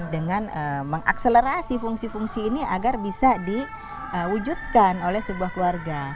dengan mengakselerasi fungsi fungsi ini agar bisa diwujudkan oleh sebuah keluarga